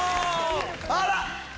あら！